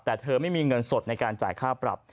แต่เธอไม่มีเงินสดในการจ่ายค่าปรับ